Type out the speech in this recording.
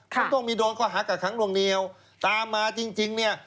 มันต้องมีโดนข้อหากักขังลวงเหนียวตามมาจริงเนี่ย